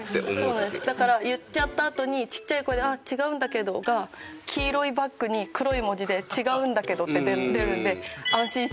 だから言っちゃったあとにちっちゃい声で「あっ違うんだけど」が黄色いバックに黒い文字で「違うんだけど」って出るのでよし！